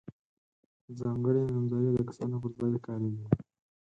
ځانګړي نومځري د کسانو پر ځای کاریږي.